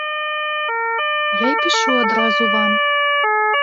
Я і пішу адразу вам.